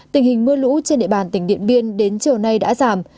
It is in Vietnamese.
tình hình mưa lũ trên địa bàn tỉnh điện biên đến chiều nay đã giảm